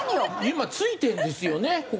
今ついてるんですよね隅に。